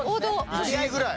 １位ぐらい。